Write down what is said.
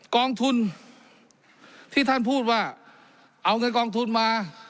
กองทุนที่ท่านพูดว่าเอาเงินกองทุนมา